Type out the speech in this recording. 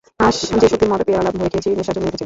আজ যে শক্তির মদ পেয়ালা ভরে খেয়েছি, নেশা জমে উঠেছে।